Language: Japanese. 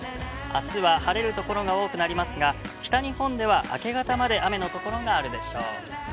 あすは晴れるところが多くなりますが、北日本では明け方まで雨の所があるでしょう。